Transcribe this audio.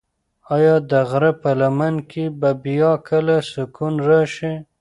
ایا د غره په لمن کې به بیا کله سکون راشي؟